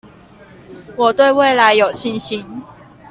我對未來有信心